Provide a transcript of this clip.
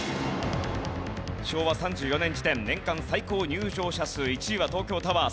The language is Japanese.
昭和３４年時点年間最高入場者数１位は東京タワー